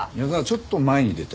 ちょっと前に出て。